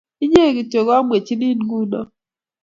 Inye kityo ne amwechinin nguno